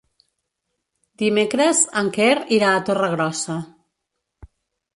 Dimecres en Quer irà a Torregrossa.